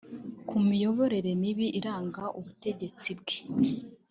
ku miyoborere mibi iranga ubutegetsi bwe